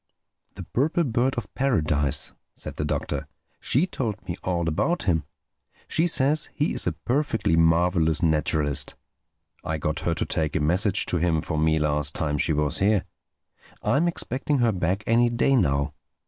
"The Purple Bird of Paradise," said the Doctor—"she told me all about him. She says he is a perfectly marvelous naturalist. I got her to take a message to him for me last time she was here. I am expecting her back any day now.